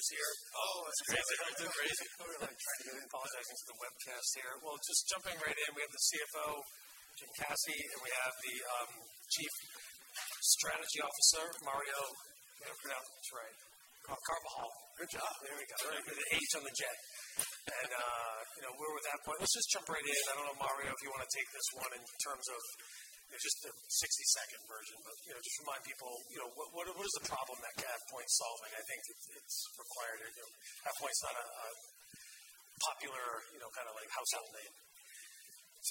Talking about the elevators here. Oh, it's crazy. They're crazy. Clearly, I'm trying to apologize to the webcast here. Well, just jumping right in. We have the CFO, Jim Caci, and we have the Chief Strategy Officer, Mario. I hope I pronounce this right. Carvajal. Good job. There we go. With an H and a J. You know, we're at that point. Let's just jump right in. I don't know, Mario, if you want to take this one in terms of just the 60-second version, but you know, just remind people, you know, what is the problem that AvePoint's solving? I think it's required, too. AvePoint's not a popular, you know, kind of like household name.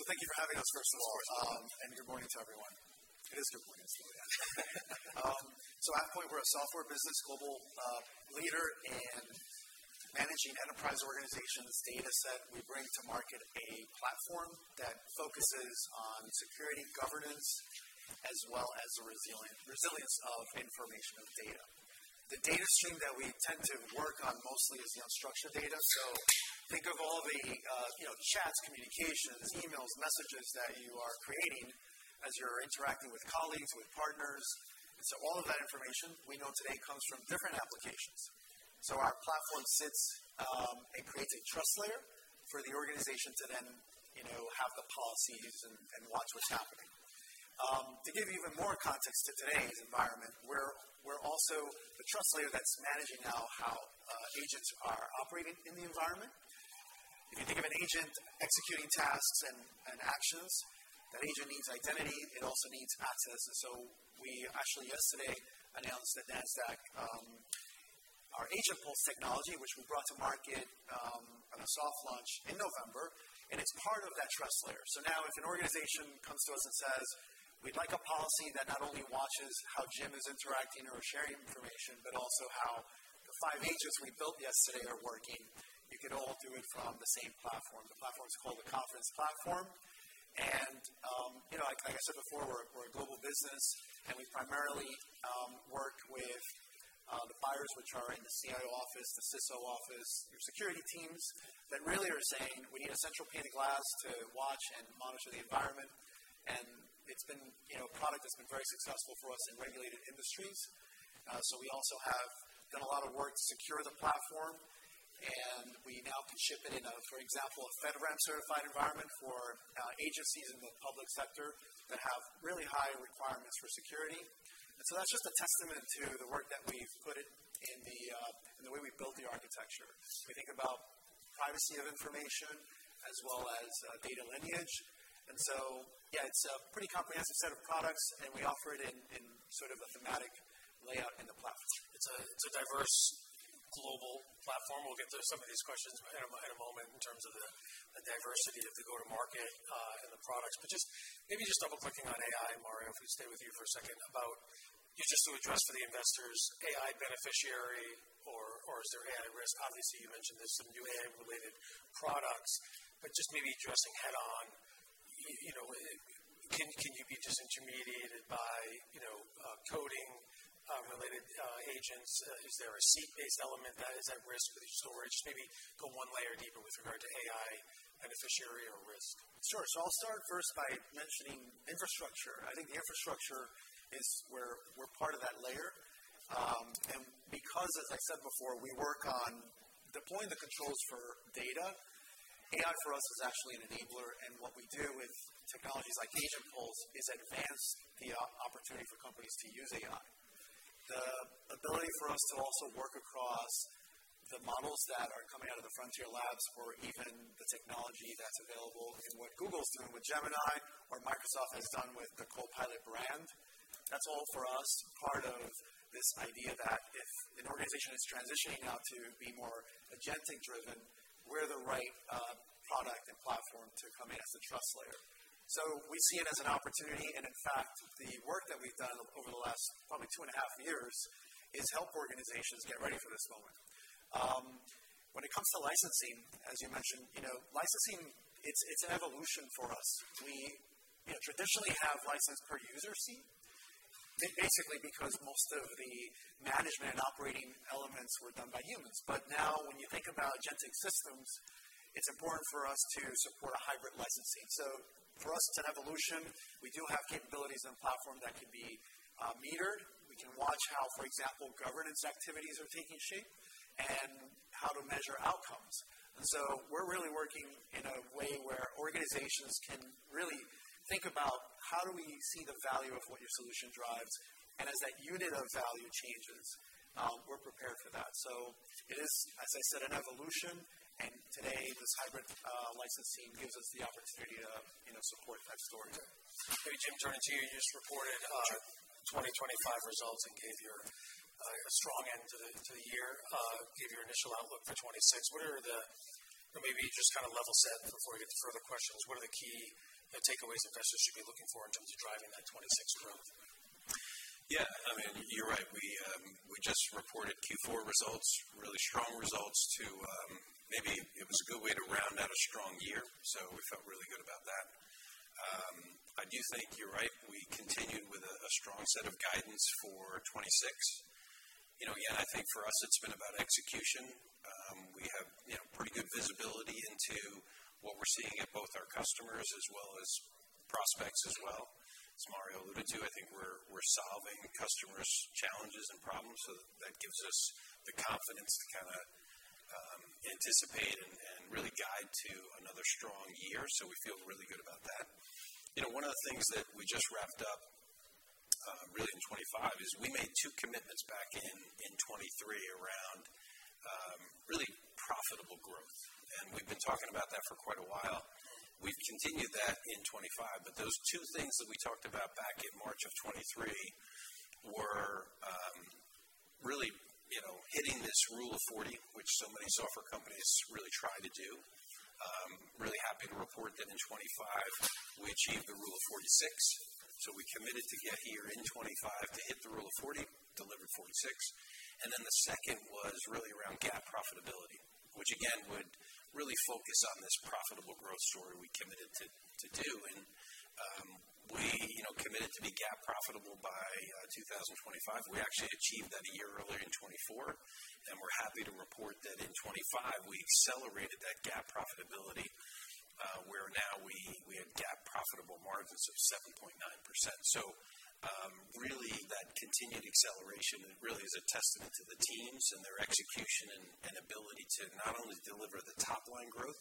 Thank you for having us first of all. Of course. Good morning to everyone. It is good morning, it's still yeah. AvePoint, we're a software business global leader in managing enterprise organizations data set. We bring to market a platform that focuses on security governance as well as the resilience of information and data. The data stream that we tend to work on mostly is the unstructured data. Think of all the, you know, chats, communications, emails, messages that you are creating as you're interacting with colleagues, with partners. All of that information we know today comes from different applications. Our platform sits and creates a trust layer for the organization to then, you know, have the policies and watch what's happening. To give even more context to today's environment, we're also the trust layer that's managing now how agents are operating in the environment. If you think of an agent executing tasks and actions, that agent needs identity, it also needs access. We actually yesterday announced at Nasdaq our AgentPulse technology, which we brought to market on a soft launch in November, and it's part of that trust layer. Now if an organization comes to us and says, "We'd like a policy that not only watches how Jim is interacting or sharing information, but also how the five agents we built yesterday are working," you can all do it from the same platform. The platform is called the Confidence Platform. You know, like I said before, we're a global business, and we primarily work with the buyers which are in the CIO office, the CISO office. Your security teams that really are saying, "We need a central pane of glass to watch and monitor the environment." It's been, you know, a product that's been very successful for us in regulated industries. So we also have done a lot of work to secure the platform, and we now can ship it in a, for example, a FedRAMP certified environment for agencies in the public sector that have really high requirements for security. That's just a testament to the work that we've put it in the, in the way we've built the architecture. We think about privacy of information as well as data lineage. Yeah, it's a pretty comprehensive set of products, and we offer it in sort of a thematic layout in the platform. It's a diverse global platform. We'll get to some of these questions in a moment in terms of the diversity of the go-to-market, and the products. Just maybe double-clicking on AI, Mario, if we stay with you for a second about you just to address for the investors AI beneficiary or is there AI risk? Obviously, you mentioned there's some new AI-related products, but just maybe addressing head-on, you know, can you be disintermediated by, you know, coding related agents? Is there a seat-based element that is at risk with storage? Maybe go one layer deeper with regard to AI beneficiary or risk. Sure. I'll start first by mentioning infrastructure. I think infrastructure is where we're part of that layer. Because as I said before, we work on deploying the controls for data, AI for us is actually an enabler. What we do with technologies like AgentPulse is advance the opportunity for companies to use AI. The ability for us to also work across the models that are coming out of the frontier labs or even the technology that's available in what Google's doing with Gemini or Microsoft has done with the Copilot brand. That's all for us, part of this idea that if an organization is transitioning now to be more agentic driven, we're the right product and platform to come in as the trust layer. We see it as an opportunity. In fact, the work that we've done over the last probably two and a half years is help organizations get ready for this moment. When it comes to licensing, as you mentioned, you know, licensing it's an evolution for us. We, you know, traditionally have license per user seat, basically, because most of the management and operating elements were done by humans. Now when you think about agentic systems, it's important for us to support a hybrid licensing. For us, it's an evolution. We do have capabilities and platform that can be metered. We can watch how, for example, governance activities are taking shape and how to measure outcomes. We're really working in a way where organizations can really think about how do we see the value of what your solution drives, and as that unit of value changes, we're prepared for that. It is, as I said, an evolution. Today, this hybrid licensing gives us the opportunity to, you know, support that story. Okay, Jim, turning to you. You just reported 2025 results and gave your strong end to the year, gave your initial outlook for 2026. Maybe just kind of level set before we get to further questions. What are the key takeaways investors should be looking for in terms of driving that 2026 growth? Yeah, I mean, you're right. We just reported Q4 results, really strong results, too, maybe it was a good way to round out a strong year. We felt really good about that. I do think you're right. We continued with a strong set of guidance for 2026. You know, again, I think for us it's been about execution. We have, you know, pretty good visibility. What we're seeing at both our customers as well as prospects as well, as Mario alluded to, I think we're solving customers challenges and problems. That gives us the confidence to kind of anticipate and really guide to another strong year. We feel really good about that. You know, one of the things that we just wrapped up, really in 2025 is we made two commitments back in 2023 around, really profitable growth. We've been talking about that for quite a while. We've continued that in 2025. Those two things that we talked about back in March of 2023 were, really, you know, hitting this Rule of 40, which so many software companies really try to do. Really happy to report that in 2025 we achieved the Rule of 46. We committed to get here in 2025 to hit the Rule of 40, delivered 46. Then the second was really around GAAP profitability, which again would really focus on this profitable growth story we committed to do. We, you know, committed to be GAAP profitable by 2025. We actually achieved that a year earlier in 2024. We're happy to report that in 2025 we accelerated that GAAP profitability, where now we have GAAP profitable margins of 7.9%. Really that continued acceleration really is a testament to the teams and their execution and ability to not only deliver the top line growth,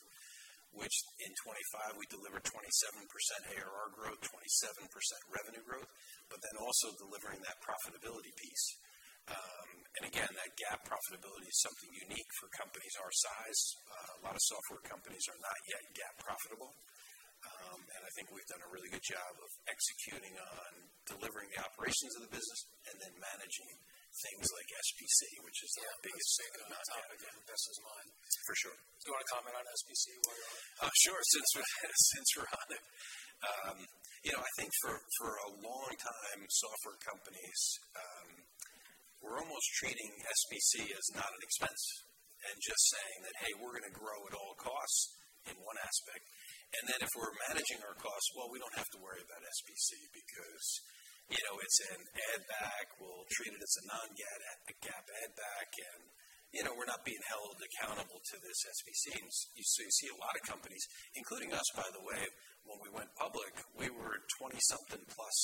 which in 2025 we delivered 27% ARR growth, 27% revenue growth, but then also delivering that profitability piece. Again, that GAAP profitability is something unique for companies our size. A lot of software companies are not yet GAAP profitable. I think we've done a really good job of executing on delivering the operations of the business and then managing things like SBC, which is the biggest single topic. Yeah, that's top of mind. For sure. Do you want to comment on SBC while you're on it? Sure. Since we're on it. You know, I think for a long time, software companies, we're almost treating SBC as not an expense and just saying that, "Hey, we're gonna grow at all costs in one aspect, and then if we're managing our costs, well, we don't have to worry about SBC because, you know, it's an add back. We'll treat it as a non-GAAP add back. You know, we're not being held accountable to this SBC." You see a lot of companies, including us, by the way, when we went public, we were at 20-something plus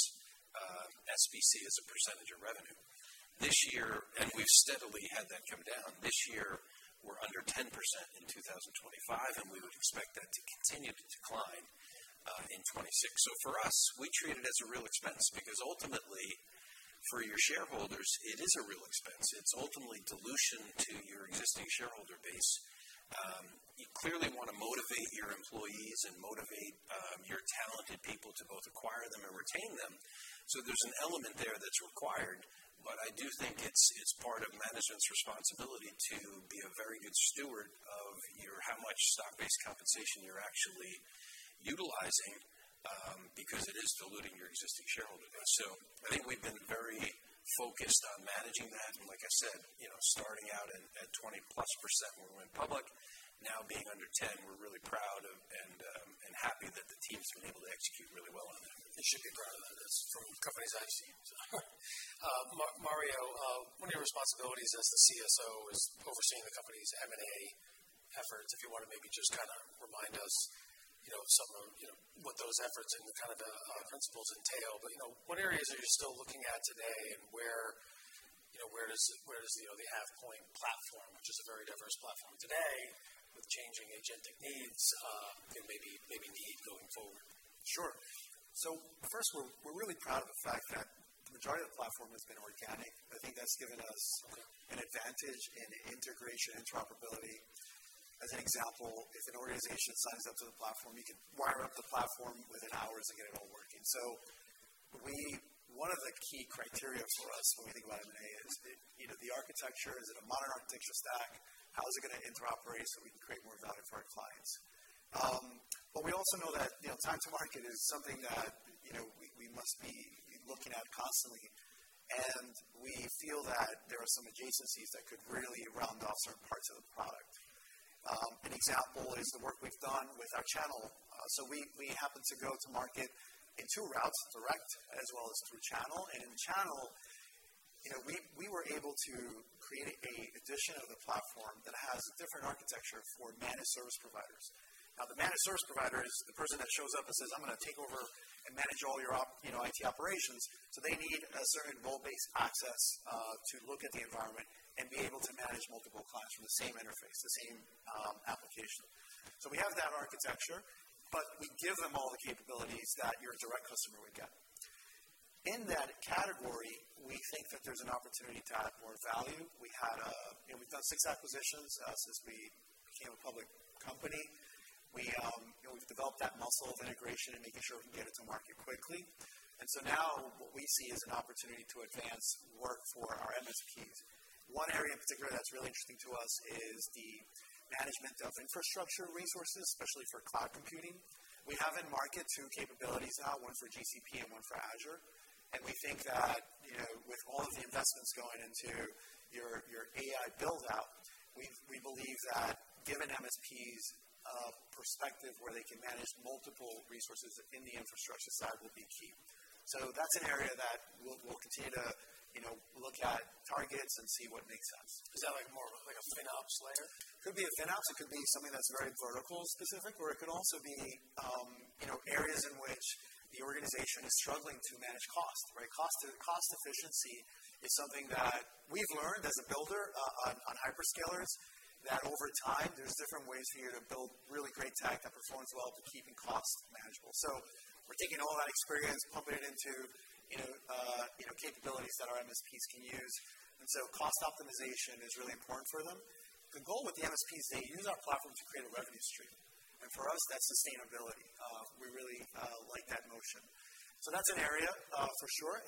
SBC as a percentage of revenue. This year, we've steadily had that come down. This year we're under 10% in 2025, and we would expect that to continue to decline in 2026. For us, we treat it as a real expense because ultimately for your shareholders it is a real expense. It's ultimately dilution to your existing shareholder base. You clearly want to motivate your employees and motivate your talented people to both acquire them and retain them. There's an element there that's required. But I do think it's part of management's responsibility to be a very good steward of your how much stock-based compensation you're actually utilizing, because it is diluting your existing shareholder base. So I think we've been very focused on managing that. Like I said, you know, starting out at 20+% when we went public, now being under 10%, we're really proud of and happy that the team's been able to execute really well on that. They should be proud of that from companies I've seen. Mario, one of your responsibilities as the CSO is overseeing the company's M&A efforts. If you want to maybe just kind of remind us, you know, some of, you know, what those efforts and kind of the principles entail. You know, what areas are you still looking at today and where, you know, where does the AvePoint platform, which is a very diverse platform today with changing agentic needs, maybe need going forward? Sure. First, we're really proud of the fact that the majority of the platform has been organic. I think that's given us an advantage in integration interoperability. As an example, if an organization signs up to the platform, you can wire up the platform within hours and get it all working. One of the key criteria for us when we think about M&A is, you know, the architecture. Is it a modern architecture stack? How is it gonna interoperate so we can create more value for our clients? We also know that, you know, time to market is something that, you know, we must be looking at constantly. We feel that there are some adjacencies that could really round off certain parts of the product. An example is the work we've done with our channel. We happen to go to market in two routes, direct as well as through channel. In channel, you know, we were able to create an edition of the platform that has a different architecture for managed service providers. Now, the managed service provider is the person that shows up and says, "I'm gonna take over and manage all your, you know, IT operations." They need a certain role-based access to look at the environment and be able to manage multiple clients from the same interface, the same application. We have that architecture, but we give them all the capabilities that your direct customer would get. In that category, we think that there's an opportunity to add more value. You know, we've done 6 acquisitions since we became a public company. We, you know, we've developed that muscle of integration and making sure we can get it to market quickly. Now what we see is an opportunity to advance work for our MSPs. One area in particular that's really interesting to us is the management of infrastructure resources, especially for cloud computing. We have in market two capabilities now, one for GCP and one for Azure. We think that, you know, with all of the investments going into your AI build out, we believe that giving MSPs a perspective where they can manage multiple resources in the infrastructure side will be key. That's an area that we'll continue to, you know, look at targets and see what makes sense. Like a FinOps layer. Could be a FinOps, it could be something that's very vertical specific, or it could also be you know areas in which the organization is struggling to manage cost, right? Cost efficiency is something that we've learned as a builder on hyperscalers, that over time there's different ways for you to build really great tech that performs well to keeping costs manageable. We're taking all that experience, pumping it into you know capabilities that our MSPs can use. Cost optimization is really important for them. The goal with the MSP is they use our platform to create a revenue stream. For us, that's sustainability. We really like that motion. That's an area for sure.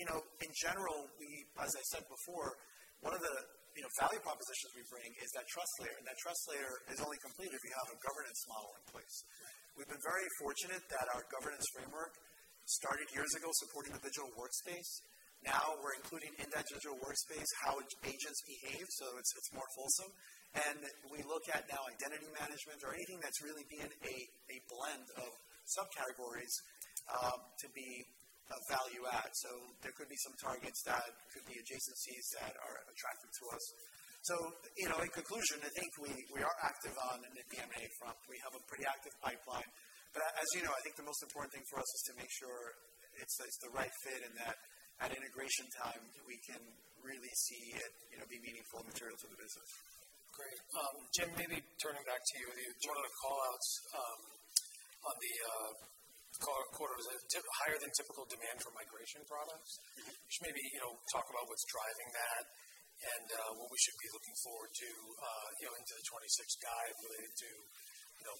You know, in general, we, as I said before, one of the, you know, value propositions we bring is that trust layer. That trust layer is only complete if you have a governance model in place. We've been very fortunate that our governance framework started years ago supporting the digital workspace. Now we're including in that digital workspace how agents behave, so it's more wholesome. We look at now identity management or anything that's really been a blend of subcategories to be a value add. There could be some targets that could be adjacencies that are attractive to us. You know, in conclusion, I think we are active in the M&A front. We have a pretty active pipeline. As you know, I think the most important thing for us is to make sure it's the right fit and that at integration time we can really see it, you know, be meaningful in terms of the business. Great. Jim, maybe turning back to you. One of the call outs on the quarter was higher than typical demand for migration products. Just maybe, you know, talk about what's driving that and what we should be looking forward to, you know, into the 2026 guide related to, you know,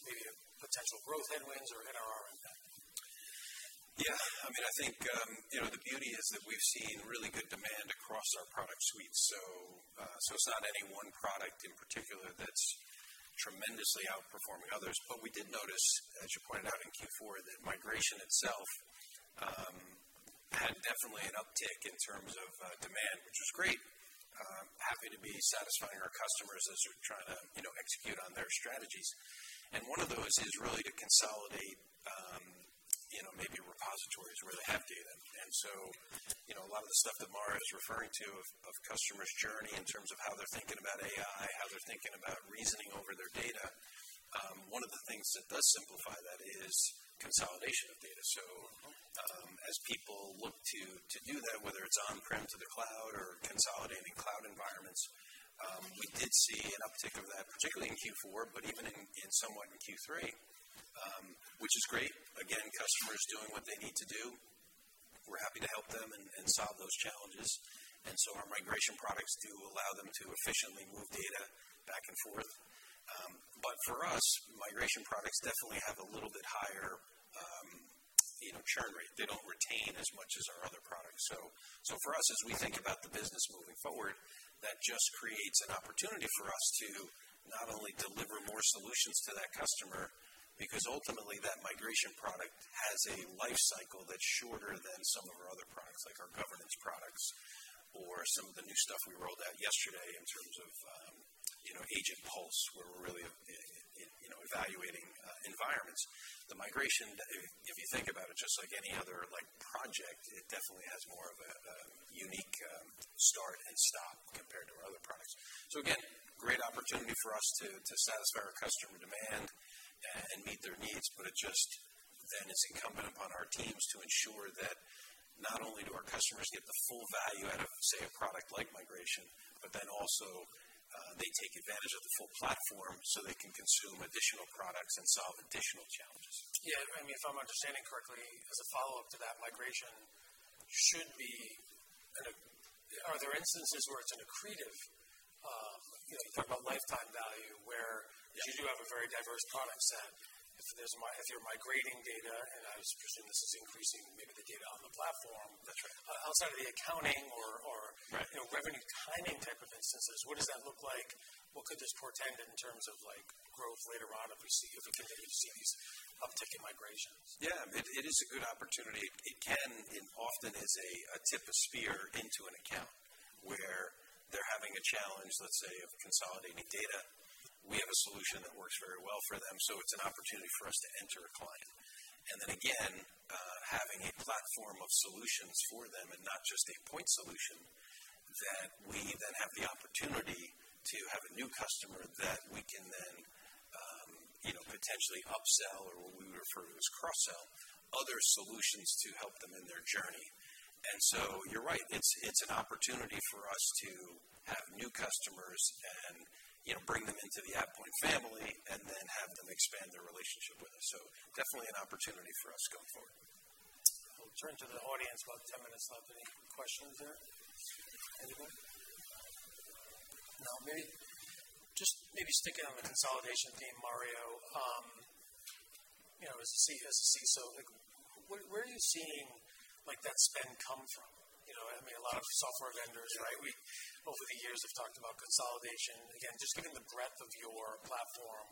maybe potential growth headwinds or NRR impact? Yeah. I mean, I think, you know, the beauty is that we've seen really good demand across our product suite. It's not any one product in particular that's tremendously outperforming others. We did notice, as you pointed out in Q4, that migration itself had definitely an uptick in terms of demand, which is great. Happy to be satisfying our customers as they're trying to, you know, execute on their strategies. One of those is really to consolidate, you know, maybe repositories where they have data. You know, a lot of the stuff that Mario is referring to of customers' journey in terms of how they're thinking about AI, how they're thinking about reasoning over their data. One of the things that does simplify that is consolidation of data. As people look to do that, whether it's on-prem to the cloud or consolidating cloud environments, we did see an uptick of that, particularly in Q4, but even in somewhat Q3, which is great. Again, customers doing what they need to do. We're happy to help them and solve those challenges. Our migration products do allow them to efficiently move data back and forth. For us, migration products definitely have a little bit higher, you know, churn rate. They don't retain as much as our other products. For us, as we think about the business moving forward, that just creates an opportunity for us to not only deliver more solutions to that customer, because ultimately that migration product has a life cycle that's shorter than some of our other products, like our governance products or some of the new stuff we rolled out yesterday in terms of, you know, AgentPulse, where we're really, you know, evaluating environments. The migration, if you think about it just like any other, like, project, it definitely has more of a unique start and stop compared to our other products. Again, great opportunity for us to satisfy our customer demand and meet their needs. It just then is incumbent upon our teams to ensure that not only do our customers get the full value out of, say, a product like Migration, but then also they take advantage of the full platform so they can consume additional products and solve additional challenges. Yeah. I mean, if I'm understanding correctly, as a follow-up to that migration should be. Are there instances where it's an accretive, you know, you talk about lifetime value where you do have a very diverse product set? If you're migrating data, and I assume this is increasing maybe the data on the platform. That's right. Outside of the accounting. Right. You know, revenue timing type of instances, what does that look like? What could this portend in terms of like growth later on if you see, if we continue to see these uptick in migrations? Yeah. It is a good opportunity. It can and often is a tip of spear into an account where they're having a challenge, let's say, of consolidating data. We have a solution that works very well for them, so it's an opportunity for us to enter a client. Then again, having a platform of solutions for them and not just a point solution that we then have the opportunity to have a new customer that we can then, you know, potentially upsell or what we would refer to as cross-sell other solutions to help them in their journey. You're right. It's an opportunity for us to have new customers and, you know, bring them into the AvePoint family and then have them expand their relationship with us. Definitely an opportunity for us going forward. We'll turn to the audience. About 10 minutes left. Any questions there? Anybody? No. Maybe just maybe sticking on the consolidation theme, Mario. You know, as a CSO, like, where are you seeing, like, that spend come from? You know, I mean, a lot of software vendors, right? We over the years have talked about consolidation. Again, just given the breadth of your platform,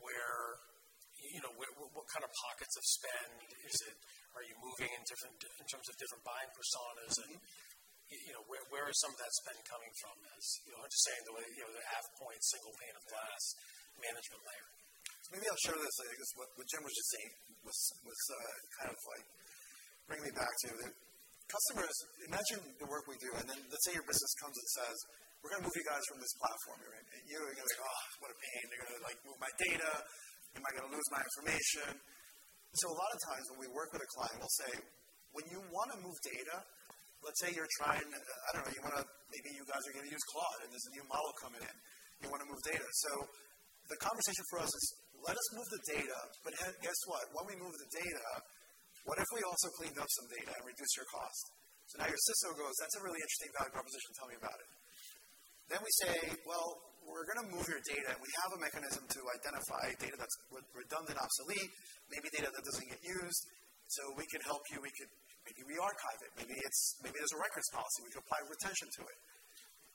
you know, what kind of pockets of spend is it? Are you moving in terms of different buying personas? You know, where is some of that spend coming from? As you know, understanding the way, you know, the AvePoint single pane of glass management layer. Maybe I'll share this. I think it's what Jim was just saying was kind of like bringing me back to the customers. Imagine the work we do, and then let's say your business comes and says, "We're gonna move you guys from this platform." You're gonna be like, "Oh, what a pain. They're gonna, like, move my data. Am I gonna lose my information?" A lot of times when we work with a client, we'll say, "When you wanna move data, let's say you're trying, I don't know, you wanna maybe you guys are gonna use Claude, and there's a new model coming in. You wanna move data." The conversation for us is, "Let us move the data. But guess what? When we move the data, what if we also cleaned up some data and reduced your cost?" Now your CISO goes, "That's a really interesting value proposition. Tell me about it." We say, "Well, we're gonna move your data, and we have a mechanism to identify data that's redundant, obsolete, maybe data that doesn't get used. We can help you. We could maybe re-archive it. Maybe there's a records policy. We could apply retention to it.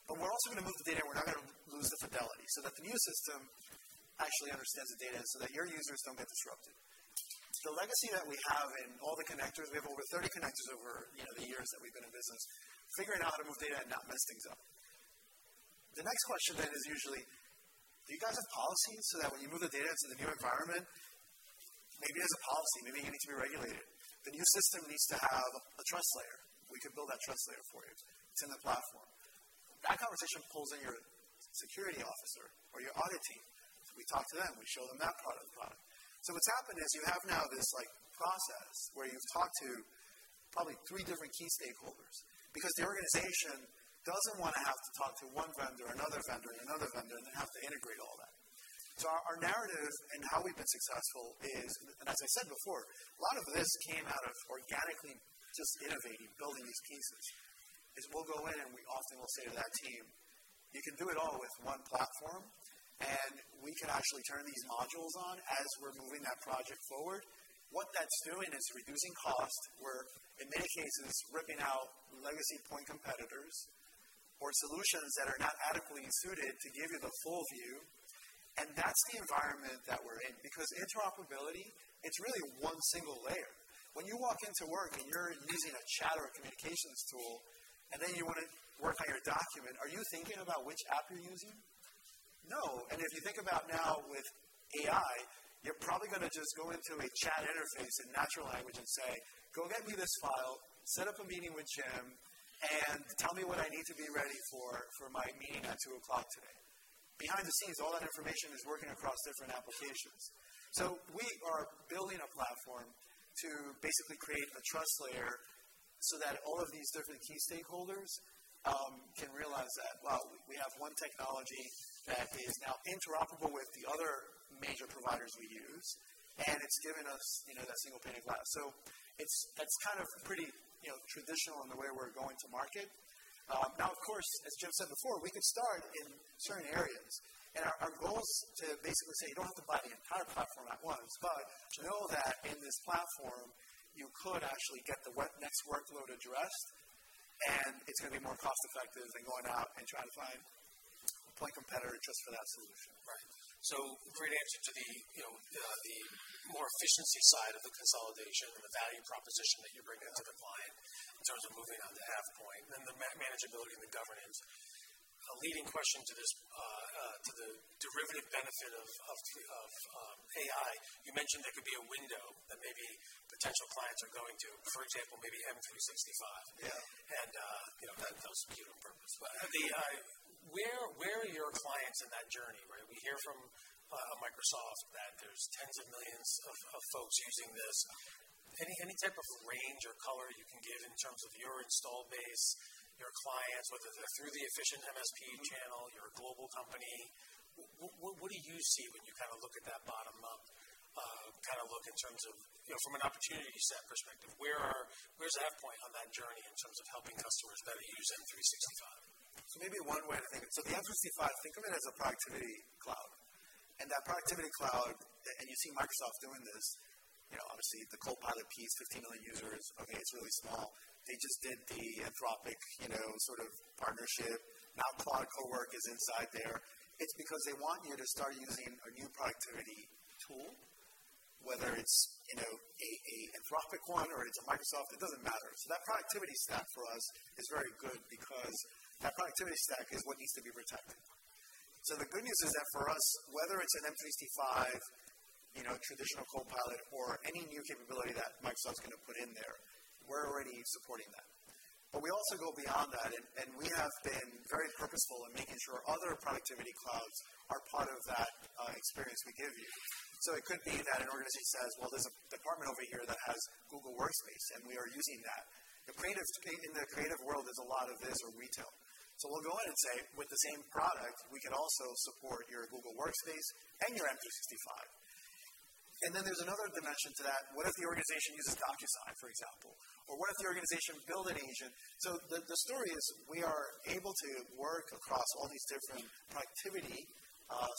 We're also gonna move the data, and we're not gonna lose the fidelity so that the new system actually understands the data and so that your users don't get disrupted." The legacy that we have in all the connectors, we have over 30 connectors over, you know, the years that we've been in business, figuring out how to move data and not mess things up. The next question then is usually, "Do you guys have policies so that when you move the data to the new environment, maybe there's a policy, maybe you need to be regulated? The new system needs to have a trust layer. We could build that trust layer for you. It's in the platform." That conversation pulls in your security officer or your audit team. We talk to them. We show them that part of the product. What's happened is you have now this, like, process where you've talked to probably three different key stakeholders because the organization doesn't wanna have to talk to one vendor, another vendor, another vendor, and then have to integrate all that. Our narrative and how we've been successful is, and as I said before, a lot of this came out of organically just innovating, building these pieces, we'll go in, and we often will say to that team, "You can do it all with one platform, and we can actually turn these modules on as we're moving that project forward." What that's doing is reducing cost. We're in many cases ripping out legacy point competitors or solutions that are not adequately suited to give you the full view. That's the environment that we're in because interoperability, it's really one single layer. When you walk into work and you're using a chat communications tool, and then you wanna work on your document, are you thinking about which app you're using? No. If you think about now with AI, you're probably gonna just go into a chat interface in natural language and say, "Go get me this file, set up a meeting with Jim, and tell me what I need to be ready for my meeting at 2:00 P.M. today." Behind the scenes, all that information is working across different applications. We are building a platform to basically create a trust layer so that all of these different key stakeholders can realize that, wow, we have one technology that is now interoperable with the other major providers we use, and it's given us, you know, that single pane of glass. It's kind of pretty, you know, traditional in the way we're going to market. Now of course, as Jim said before, we could start in certain areas. Our goal is to basically say, you don't have to buy the entire platform at once, but know that in this platform you could actually get the next workload addressed, and it's gonna be more cost-effective than going out and trying to find a point competitor just for that solution. Right. Great answer to the, you know, the more efficiency side of the consolidation and the value proposition that you bring to the bottom line in terms of moving on to AvePoint and the manageability and the governance. A leading question to this, to the derivative benefit of AI. You mentioned there could be a window that maybe potential clients are going to, for example, maybe Microsoft 365. Yeah. You know, that's the core purpose. Where are your clients in that journey, right? We hear from Microsoft that there's tens of millions of folks using this. Any type of range or color you can give in terms of your install base, your clients, whether they're through the efficient MSP channel? You're a global company. What do you see when you kinda look at that bottom-up in terms of, you know, from an opportunity set perspective? Where's AvePoint on that journey in terms of helping customers better use Microsoft 365? Think of the Microsoft 365 as a productivity cloud. That productivity cloud, and you see Microsoft doing this, you know, obviously the Copilot piece, 15 million users. Okay, it's really small. They just did the Anthropic, you know, sort of partnership. Now Claude Cowork is inside there. It's because they want you to start using a new productivity tool, whether it's, you know, Anthropic one or it's a Microsoft, it doesn't matter. That productivity stack for us is very good because that productivity stack is what needs to be protected. The good news is that for us, whether it's a Microsoft 365, you know, traditional Copilot or any new capability that Microsoft's gonna put in there, we're already supporting that. We also go beyond that, and we have been very purposeful in making sure other productivity clouds are part of that, experience we give you. It could be that an organization says, "Well, there's a department over here that has Google Workspace, and we are using that." In the creative world, there's a lot of this or retail. We'll go in and say, "With the same product, we can also support your Google Workspace and your Microsoft 365." There's another dimension to that. What if the organization uses DocuSign, for example? Or what if the organization build an agent? The story is we are able to work across all these different productivity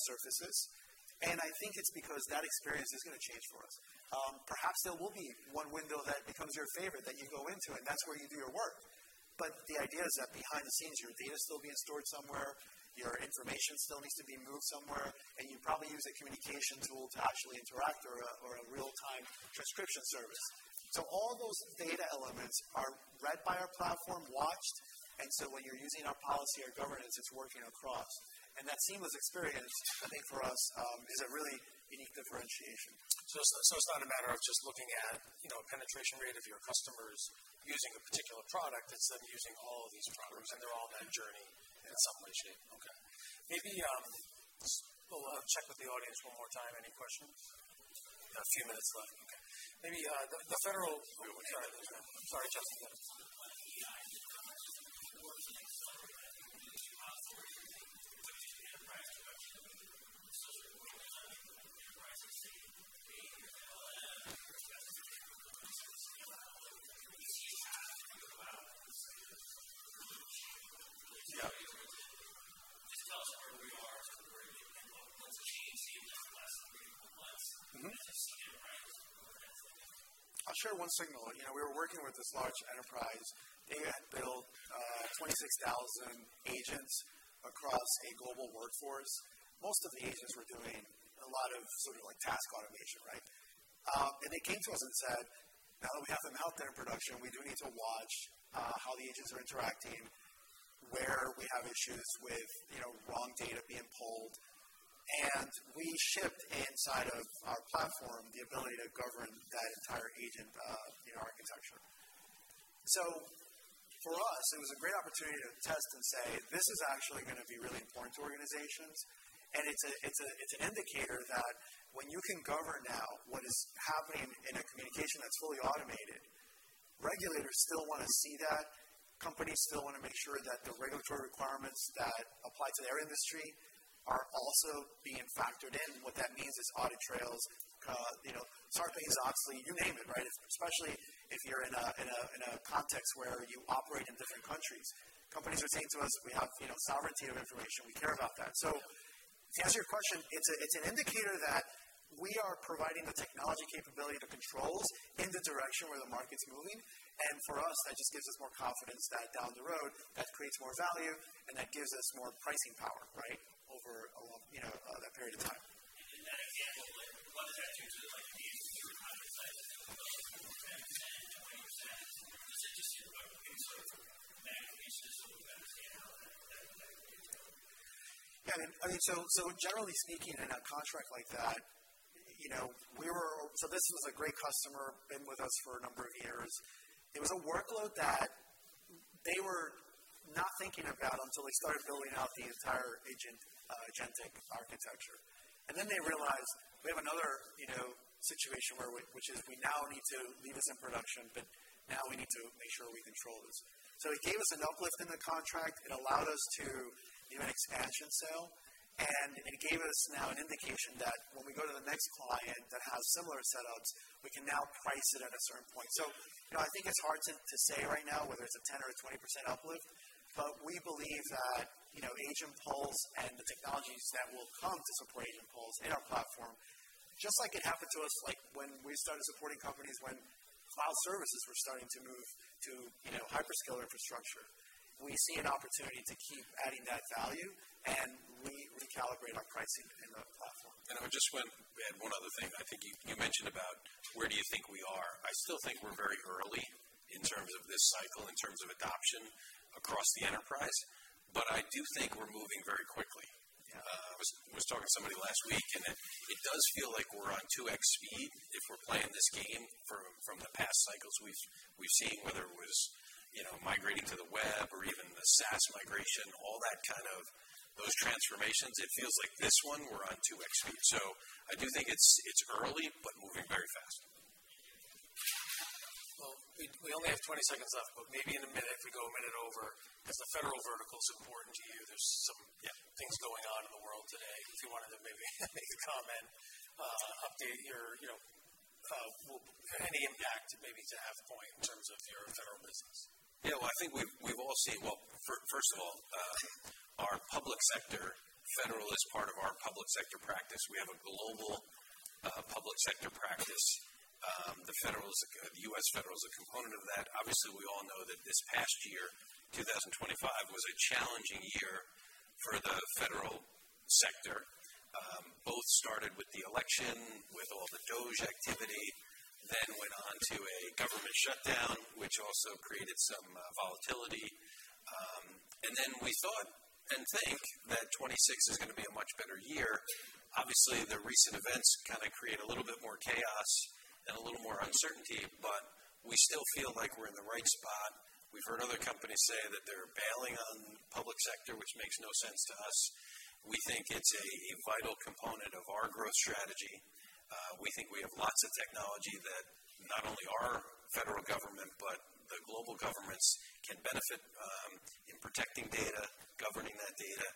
surfaces. I think it's because that experience is gonna change for us. Perhaps there will be one window that becomes your favorite that you go into, and that's where you do your work. The idea is that behind the scenes, your data's still being stored somewhere. Your information still needs to be moved somewhere. You probably use a communication tool to actually interact or a real-time transcription service. All those data elements are read by our platform, watched. When you're using our policy or governance, it's working across. That seamless experience I think for us is a really unique differentiation. It's not a matter of just looking at, you know, penetration rate of your customers using a particular product instead of using all of these products, and they're all on that journey in some way, shape. Okay. Maybe we'll check with the audience one more time. Any questions? We have a few minutes left. Okay. Maybe the federal- Sorry. Sorry, Justin, go We shipped inside of our platform the ability to govern that entire agent architecture. So for us, it was a great opportunity to test and say, "This is actually gonna be really important to organizations." It's an indicator that when you can govern now what is happening in a communication that's fully automated, regulators still wanna see that. Companies still wanna make sure that the regulatory requirements that apply to their industry are also being factored in. What that means is audit trails, you know, Sarbanes-Oxley, you name it, right? Especially if you're in a context where you operate in different countries. Companies are saying to us, "We have, you know, sovereignty of information. We care about that." To answer your question, it's an indicator that we are providing the technology capability, the controls in the direction where the market's moving. For us, that just gives us more confidence that down the road that creates more value and that gives us more pricing power, right? Over a long, you know, that period of time. In that example, like what does that do to like the secure private side of the business? Is that 10%, 20%? Is it just zero? I mean, so from that piece, just so we understand how that. Yeah. I mean, so generally speaking in a contract like that, you know, this was a great customer, been with us for a number of years. It was a workload that they were not thinking about until they started building out the entire agentic architecture. They realized we have another, you know, situation where we, which is we now need to live this in production, but now we need to make sure we control this. It gave us an uplift in the contract. It allowed us to do an expansion sale, and it gave us now an indication that when we go to the next client that has similar setups, we can now price it at a certain point. You know, I think it's hard to say right now whether it's a 10% or 20% uplift, but we believe that, you know, AgentPulse and the technologies that will come to support AgentPulse in our platform, just like it happened to us, like when we started supporting companies when cloud services were starting to move to, you know, hyperscaler infrastructure. We see an opportunity to keep adding that value, and we recalibrate our pricing within the platform. I would just want to add one other thing. I think you mentioned about where do you think we are? I still think we're very early in terms of this cycle, in terms of adoption across the enterprise, but I do think we're moving very quickly. I was talking to somebody last week, and it does feel like we're on 2x speed if we're playing this game from the past cycles we've seen whether it was, you know, migrating to the web or even the SaaS migration, all that kind of those transformations. It feels like this one we're on 2x speed. I do think it's early but moving very fast. Well, we only have 20 seconds left, but maybe in a minute if we go a minute over, because the federal vertical is important to you. There's some, you know, things going on in the world today. If you wanted to maybe make a comment, update your, you know, any impact maybe to AvePoint in terms of your federal business. Yeah. Well, I think we've all seen. Well, first of all, our public sector, federal is part of our public sector practice. We have a global public sector practice. The U.S. federal is a component of that. Obviously, we all know that this past year, 2025 was a challenging year for the federal sector. Both started with the election, with all the DOGE activity, then went on to a government shutdown, which also created some volatility. We think that 2026 is gonna be a much better year. Obviously, the recent events kinda create a little bit more chaos and a little more uncertainty, but we still feel like we're in the right spot. We've heard other companies say that they're bailing on public sector, which makes no sense to us. We think it's a vital component of our growth strategy. We think we have lots of technology that not only our federal government but the global governments can benefit in protecting data, governing that data.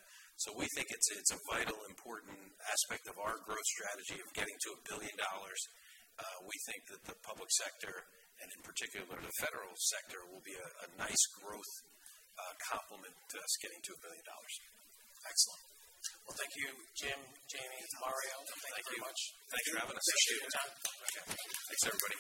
We think it's a vital important aspect of our growth strategy of getting to $1 billion. We think that the public sector, and in particular the federal sector, will be a nice growth complement to us getting to $1 billion. Excellent. Well, thank you, Jim, Jamie, Mario. Thank you very much. Thank you. Thanks for having us. Appreciate your time. Okay. Thanks, everybody.